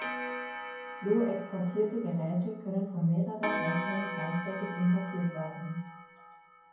So exportierte Geräte können von mehreren Rechnern gleichzeitig importiert werden.